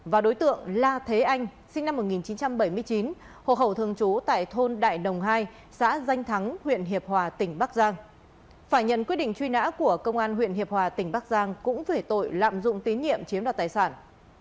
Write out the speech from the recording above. và đối tượng la thế anh sinh năm một nghìn chín trăm bảy mươi chín hộ khẩu thường trú tại thôn đại đồng hai xã danh thắng huyện hiệp hòa tỉnh bắc giang phải nhận quyết định truy nã của công an huyện hiệp hòa tỉnh bắc giang cũng về tội lạm dụng tín nhiệm chiếm đoạt tài sản